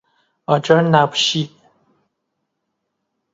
آجر نبشی